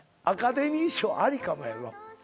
アカデミー賞ありかもやぞ。